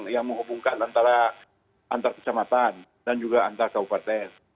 yang menghubungkan antara antar kecamatan dan juga antar kabupaten